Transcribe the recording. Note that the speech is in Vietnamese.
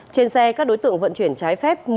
trên xe các đối tượng vận chuyển trái phép